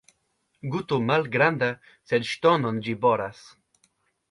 Guto malgranda, sed ŝtonon ĝi boras.